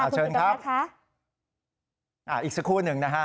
เชิญครับอีกสักครู่หนึ่งนะฮะ